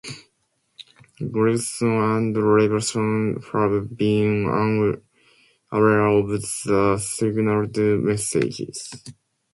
Gregson and Leverton have been unaware of the signalled messages.